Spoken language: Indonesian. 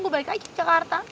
gua balik aja ke jakarta